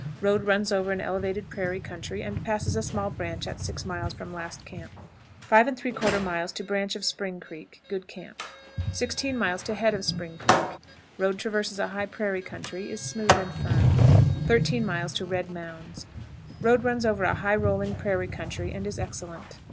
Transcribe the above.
Road runs over an elevated prairie country, and passes a small branch at six miles from last camp. 5 3/4. Branch of "Spring Creek." Good camp. 16. Head of "Spring Creek." Road traverses a high prairie country, is smooth and firm. 13. Red Mounds. Road runs over a high rolling prairie country, and is excellent.